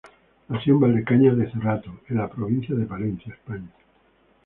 Nació en Valdecañas de Cerrato, en la provincia de Palencia, España.